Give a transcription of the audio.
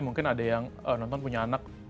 mungkin ada yang nonton punya anak